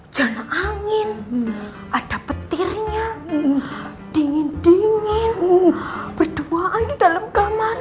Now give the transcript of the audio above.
jana angin ada petirnya dingin dingin berdua ini dalam kamar